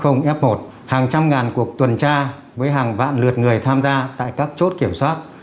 hàng trăm ngàn cuộc tuần tra với hàng vạn lượt người tham gia tại các chốt kiểm soát